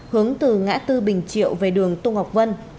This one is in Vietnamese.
hướng từ ngã tư bình triệu về đường tô ngọc vân